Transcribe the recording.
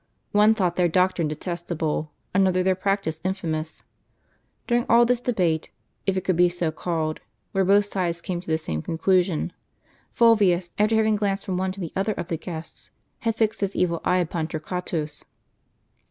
One thought their doctrine detestable, another their practice infamous. During all this debate, if it could be so called, where both sides came to the same conclusion, Fulvius, after having glanced from one to the other of the guests, had fixed his evil eye upon Tor quatus.